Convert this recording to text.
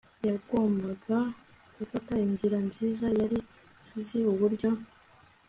Yagombaga gufata inzira nziza yari azi uburyo